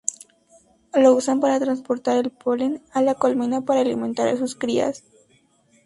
Lo usan para transportar el polen a la colmena para alimentar a sus crías.